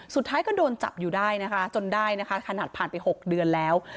สุดท้ายก็โดนจับอยู่ได้นะคะจนได้นะคะขนาดผ่านไป๖เดือนแล้ว